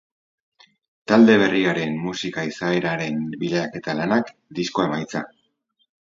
Talde berriaren musika izaeraren bilaketa lanak, diskoa emaitza.